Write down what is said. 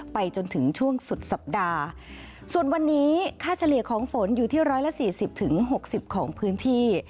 ไปจนถึงช่วงสุดสัปดาห์ส่วนวันนี้ค่าเฉลี่ยของฝนอยู่ที่๑๔๐๖๐ของพื้นที่